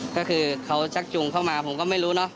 ก็คือเขาชักจุงเข้ามาผมก็ไม่รู้เนอะ